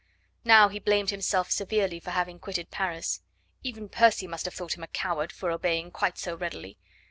Now he blamed himself severely for having quitted Paris. Even Percy must have thought him a coward for obeying quite so readily.